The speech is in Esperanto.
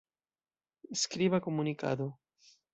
Skriba komunikado.